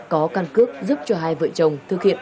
có căn cước giúp cho hai vợ chồng thực hiện